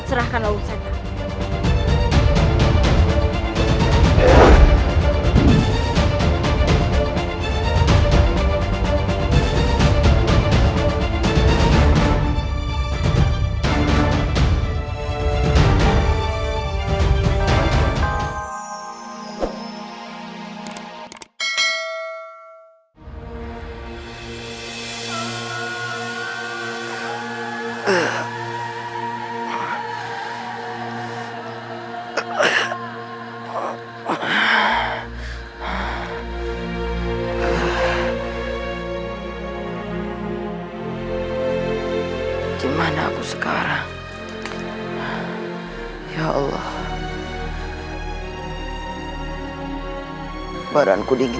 serahkan darah suci itu pada kami